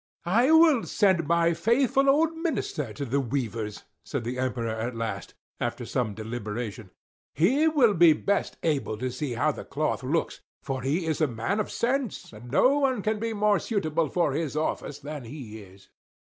"I will send my faithful old minister to the weavers," said the Emperor at last, after some deliberation, "he will be best able to see how the cloth looks; for he is a man of sense, and no one can be more suitable for his office than he is."